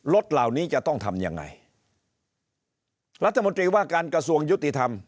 เหล่านี้จะต้องทำยังไงรัฐมนตรีว่าการกระทรวงยุติธรรม